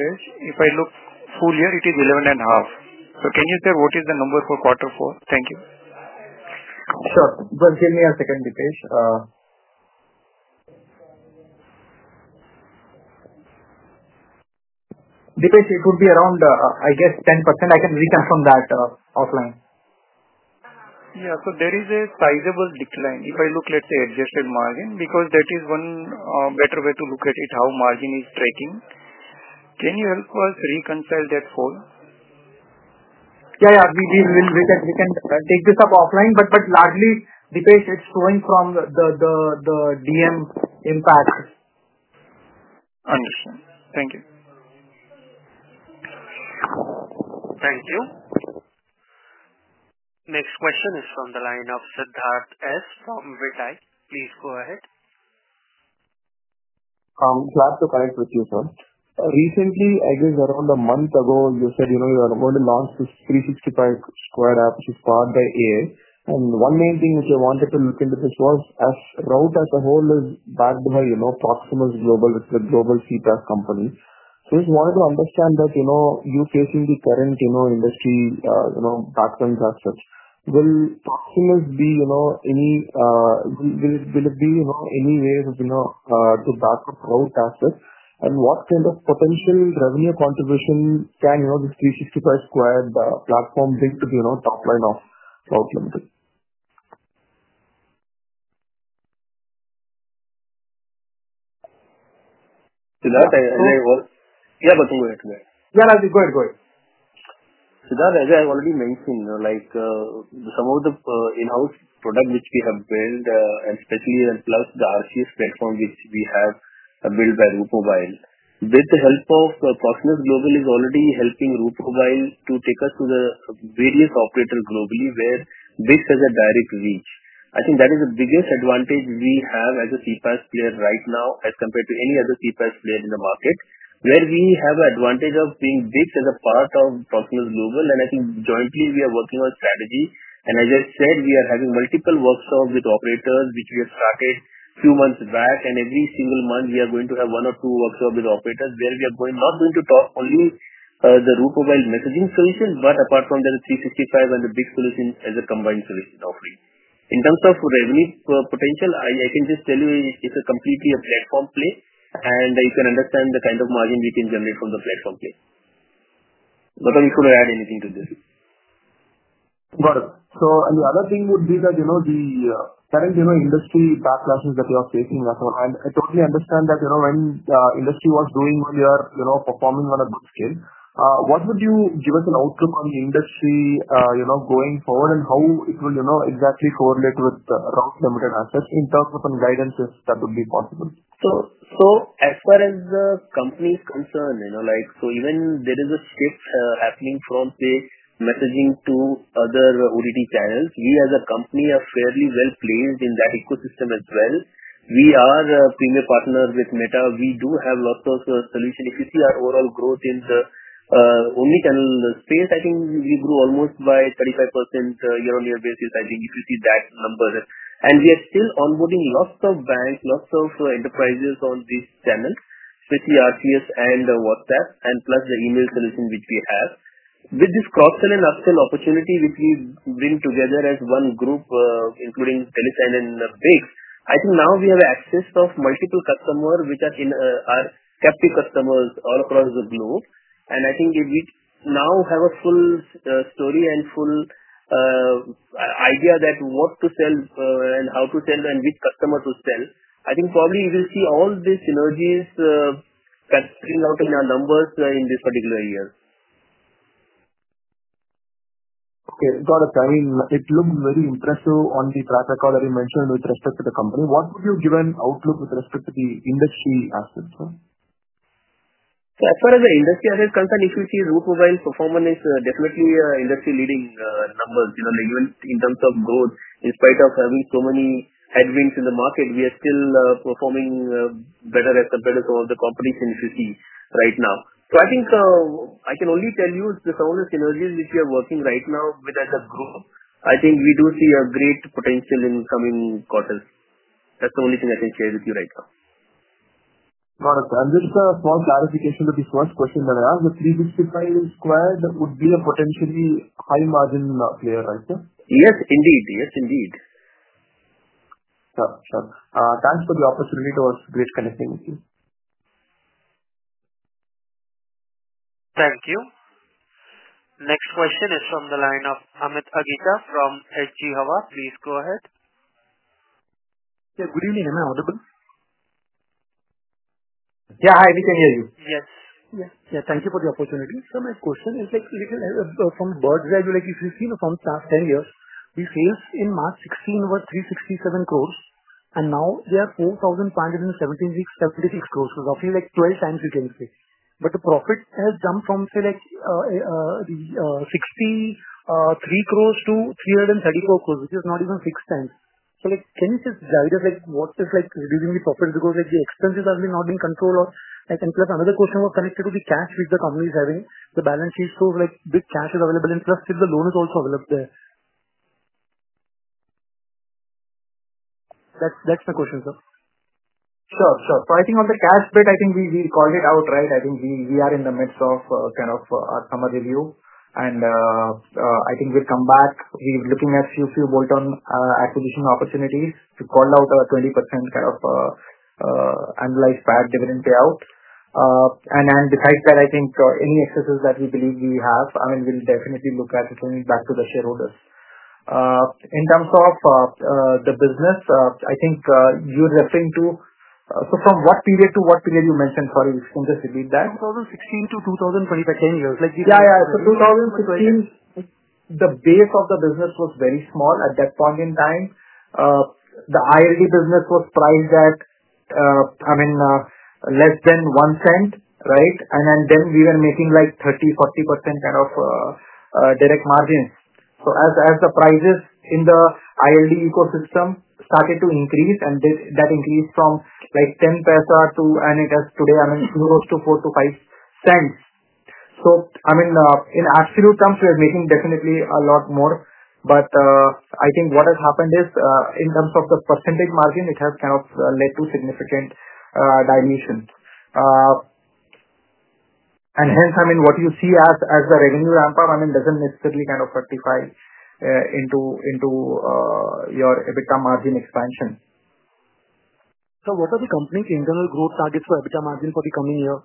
If I look full year, it is 11.5%. So can you share what is the number for quarter four? Thank you. Sure. Give me a second, Dipesh. Dipesh, it would be around, I guess, 10%. I can reconfirm that offline. Yeah. So there is a sizable decline if I look, let's say, adjusted margin because that is one better way to look at it, how margin is tracking. Can you help us reconcile that for? Yeah, yeah. We will take this up offline. Largely, Dipesh, it's flowing from the DM impact. Understood. Thank you. Thank you. Next question is from the line of Siddharth S from VDAI. Please go ahead. Glad to connect with you, sir. Recently, I guess around a month ago, you said you were going to launch this 365squared app which is powered by AI. One main thing which I wanted to look into this was as Route as a whole is backed by Proximus Global, which is a global CPaaS company. I just wanted to understand that you facing the current industry backgrounds, assets, will Proximus be any, will it be any way to back up Route assets? What kind of potential revenue contribution can this 365squared platform bring to the top line of Route Mobile? Siddharth, I was. Yeah, go ahead. Yeah, nothing. Go ahead. Go ahead. Siddharth, as I already mentioned, some of the in-house product which we have built, and especially plus the RCS platform which we have built by Route Mobile, with the help of Proximus Global is already helping Route Mobile to take us to the various operators globally where BICS has a direct reach. I think that is the biggest advantage we have as a CPaaS player right now as compared to any other CPaaS player in the market, where we have an advantage of being BICS as a part of Proximus Global. I think jointly, we are working on strategy. As I said, we are having multiple workshops with operators which we have started a few months back. Every single month, we are going to have one or two workshops with operators where we are not going to talk only the Route Mobile messaging solution, but apart from the 365 and the BICS solution as a combined solution offering. In terms of revenue potential, I can just tell you it's completely a platform play, and you can understand the kind of margin we can generate from the platform play. I'm not sure to add anything to this. Got it. The other thing would be that the current industry backlashes that you are facing as, and I totally understand that when industry was doing, when you are performing on a good scale, what would you give us an outlook on the industry going forward and how it will exactly correlate with Route Mobile assets in terms of some guidances that would be possible? As far as the company is concerned, even there is a shift happening from, say, messaging to other OTT channels. We as a company are fairly well placed in that ecosystem as well. We are a premier partner with Meta. We do have lots of solutions. If you see our overall growth in the omnichannel space, I think we grew almost by 35% year-on-year basis, I think, if you see that number. We are still onboarding lots of banks, lots of enterprises on these channels, especially RCS and WhatsApp, and plus the email solution which we have. With this cross-sell and upsell opportunity which we bring together as one group, including Telesign and BICS, I think now we have access to multiple customers which are captive customers all across the globe. I think if we now have a full story and full idea that what to sell and how to sell and which customer to sell, I think probably we will see all these synergies kind of spring out in our numbers in this particular year. Okay. Got it. I mean, it looks very impressive on the track record that you mentioned with respect to the company. What would you give an outlook with respect to the industry assets? As far as the industry as it's concerned, if you see Route Mobile's performance is definitely industry-leading numbers. Even in terms of growth, in spite of having so many headwinds in the market, we are still performing better as compared to some of the competition, if you see, right now. I think I can only tell you the similar synergies which we are working right now with as a group, I think we do see a great potential in the coming quarters. That's the only thing I can share with you right now. Got it. Just a small clarification to the first question that I asked, the 365squared would be a potentially high-margin player, right? Yes, indeed. Sure. Sure. Thanks for the opportunity to us. Great connecting with you. Thank you. Next question is from the line of Amit Agicha from HG Hawa. Please go ahead. Yeah. Good evening. Am I audible? Yeah. Hi. We can hear you. Yes. Yeah. Yeah. Thank you for the opportunity. My question is like a little from bird's eye view, like if you see the firm's past 10 years, we faced in March 2016 over 367 crore, and now they are 4,576 crore because roughly like 12 times you can say. The profit has jumped from, say, like 63 crore to 334 crore, which is not even six times. Can you just guide us what is reducing the profit because the expenses are really not being controlled? Plus another question was connected to the cash which the company is having, the balance sheet shows like big cash is available, and plus still the loan is also available there. That's my question, sir. Sure. Sure. I think on the cash bit, I think we called it out, right? I think we are in the midst of kind of our summer review. I think we'll come back. We're looking at a few bolt-on acquisition opportunities to call out a 20% kind of analyzed PAT dividend payout. Besides that, I think any excesses that we believe we have, I mean, we'll definitely look at returning back to the shareholders. In terms of the business, I think you're referring to, from what period to what period you mentioned? Sorry, if you can just repeat that. 2016 to 2025, like 10 years. Yeah. Yeah. So 2016, the base of the business was very small at that point in time. The IRD business was priced at, I mean, less than $0.01, right? And then we were making like 30-40% kind of direct margins. As the prices in the IRD ecosystem started to increase, and that increased from like 10 paisa to, I mean, as today, I mean, it goes to $0.04-$0.05. I mean, in absolute terms, we are making definitely a lot more. I think what has happened is in terms of the percentage margin, it has kind of led to significant dilution. Hence, what you see as the revenue ramp-up does not necessarily kind of rectify into your EBITDA margin expansion. What are the company's internal growth targets for EBITDA margin for the coming year?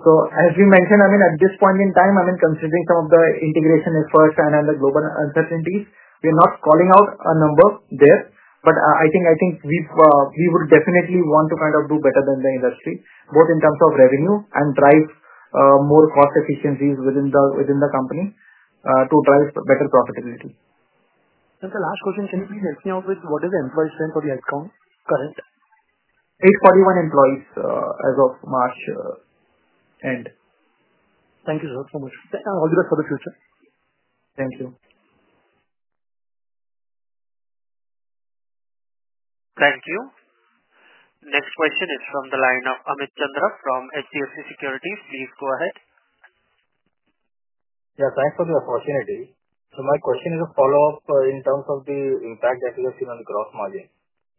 As we mentioned, I mean, at this point in time, I mean, considering some of the integration efforts and the global uncertainties, we are not calling out a number there. I think we would definitely want to kind of do better than the industry, both in terms of revenue and drive more cost efficiencies within the company to drive better profitability. Just the last question. Can you please help me out with what is the employee strength for the account current? 841 employees as of March end. Thank you so much. All the best for the future. Thank you. Thank you. Next question is from the line of Amit Chandra from HDFC Securities. Please go ahead. Yeah. Thanks for the opportunity. My question is a follow-up in terms of the impact that we have seen on the gross margin.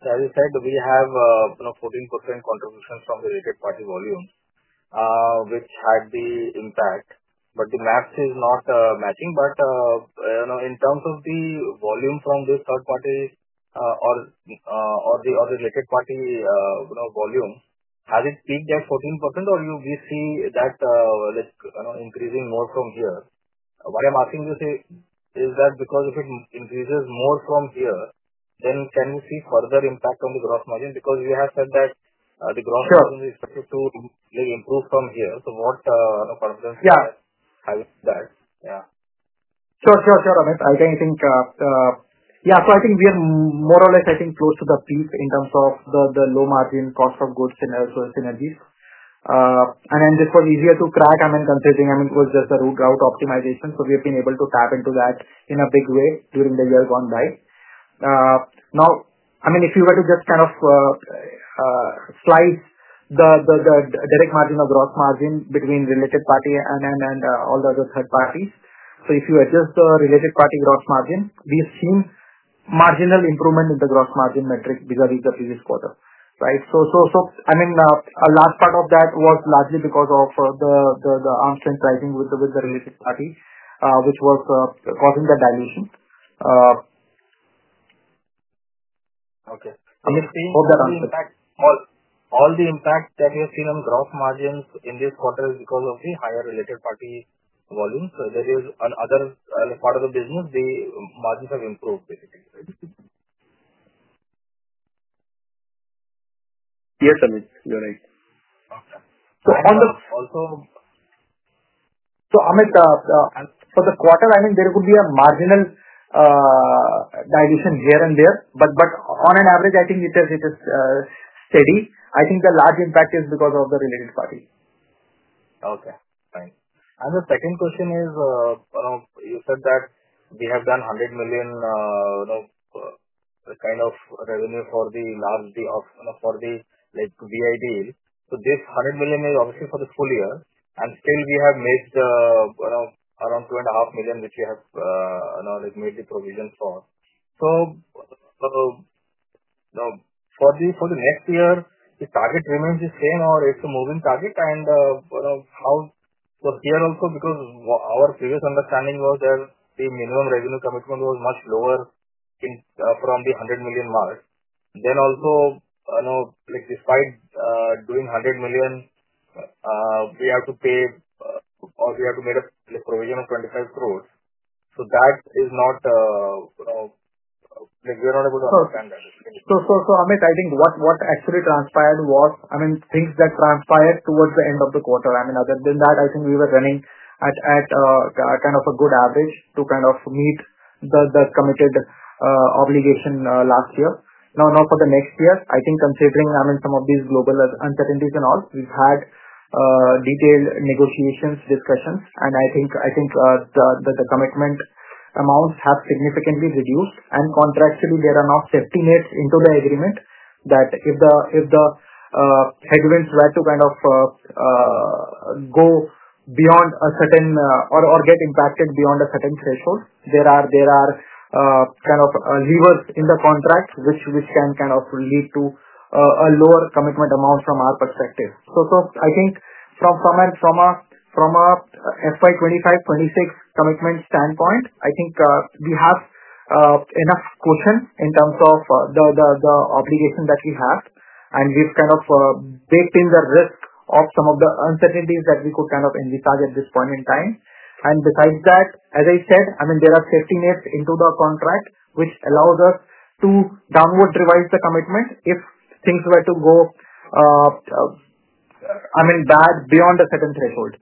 As I said, we have 14% contributions from the related party volumes, which had the impact. The math is not matching. In terms of the volume from this third party or the related party volume, has it peaked at 14%, or do we see that increasing more from here? What I am asking you to say is that if it increases more from here, can we see further impact on the gross margin? You have said that the gross margin is expected to improve from here. What confidence do you have having that? Sure. Sure. Sure. Amit, I think yeah. I think we are more or less, I think, close to the peak in terms of the low margin cost of goods and also synergies. This was easier to crack. I mean, considering, I mean, it was just the route optimization. We have been able to tap into that in a big way during the year gone by. Now, if you were to just kind of slice the direct margin or gross margin between related party and all the other third parties, if you adjust the related party gross margin, we've seen marginal improvement in the gross margin metric vis-à-vis the previous quarter, right? A last part of that was largely because of the armstrong pricing with the related party, which was causing the dilution. Okay. So we've seen. Hope that answered. All the impact that we have seen on gross margins in this quarter is because of the higher related party volumes. There is another part of the business, the margins have improved, basically. Yes, Amit. You're right. Okay. So on the. Also. Amit, for the quarter, I mean, there could be a marginal dilution here and there. I mean, on average, I think it is steady. I think the large impact is because of the related party. Okay. Fine. The second question is you said that we have done $100 million kind of revenue for the VI deal. This $100 million is obviously for the full year. Still, we have missed around $2.5 million, which we have made the provision for. For the next year, the target remains the same or it's a moving target? Here also, because our previous understanding was that the minimum revenue commitment was much lower from the $100 million mark. Also, despite doing $100 million, we have to pay or we have to make a provision of 25 crores. That is not, we're not able to understand that. Amit, I think what actually transpired was, I mean, things that transpired towards the end of the quarter. I mean, other than that, I think we were running at kind of a good average to kind of meet the committed obligation last year. Now, for the next year, I think considering, I mean, some of these global uncertainties and all, we've had detailed negotiations, discussions. I think the commitment amounts have significantly reduced. Contractually, there are now safety nets into the agreement that if the headwinds were to kind of go beyond a certain or get impacted beyond a certain threshold, there are kind of levers in the contract which can kind of lead to a lower commitment amount from our perspective. I think from an FY 2025-2026 commitment standpoint, I think we have enough caution in terms of the obligation that we have. We have kind of baked in the risk of some of the uncertainties that we could kind of envisage at this point in time. Besides that, as I said, I mean, there are safety nets into the contract which allow us to downward revise the commitment if things were to go, I mean, bad beyond a certain threshold.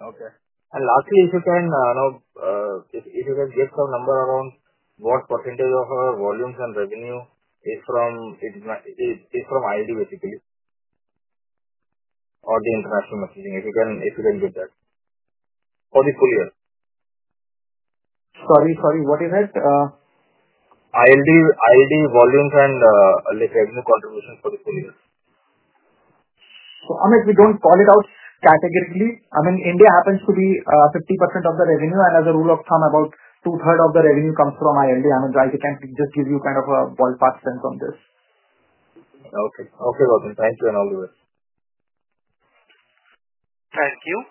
Okay. Lastly, if you can give some number around what percentage of our volumes and revenue is from IRD, basically, or the international messaging, if you can give that for the full year. Sorry. Sorry. What is it? IRD volumes and revenue contributions for the full year. Amit, we do not call it out categorically. I mean, India happens to be 50% of the revenue. And as a rule of thumb, about two-thirds of the revenue comes from IRD. I mean, I can just give you kind of a ballpark sense on this. Okay. Okay, Robin. Thank you and all the best. Thank you.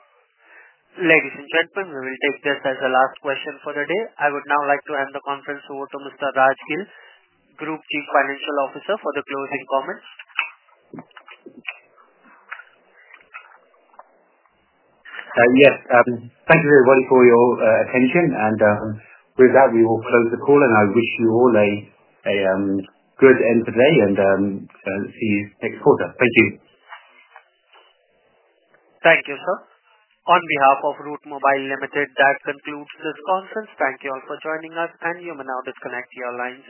Ladies and gentlemen, we will take this as the last question for the day. I would now like to hand the conference over to Mr. Raj Gill, Group Chief Financial Officer, for the closing comments. Yes. Thank you, everybody, for your attention. With that, we will close the call. I wish you all a good end of the day and see you next quarter. Thank you. Thank you, sir. On behalf of Route Mobile Ltd, that concludes this conference. Thank you all for joining us. You may now disconnect your lines.